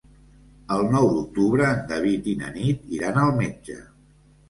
El nou d'octubre en David i na Nit iran al metge.